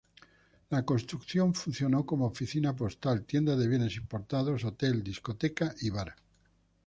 La construcción funcionó como oficina postal, tienda de bienes importados, hotel, discoteca y bar.